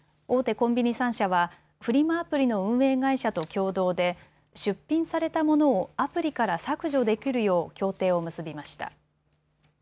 コンビニ３社はフリマアプリの運営会社と共同で出品されたものをアプリから削除できるよう協定を結びました。